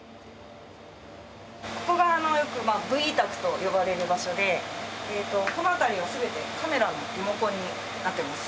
ここがよくＶＥ卓と呼ばれる場所でこの辺りは全てカメラのリモコンになってます。